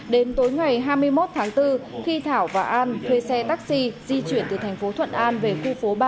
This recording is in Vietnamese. đến tối ngày hai mươi một tháng bốn khi thảo và an thuê xe taxi di chuyển từ thành phố thuận an về khu phố ba